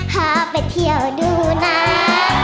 พาไปเที่ยวดูนะ